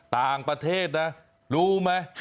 ต่างประเทศนะรู้ไหม